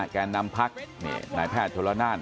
แก่นนำพรรคนายแพทย์ทลานาน